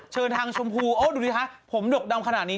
เชิญทางชมพูโอ้ดูดิคะผมดกดำขนาดนี้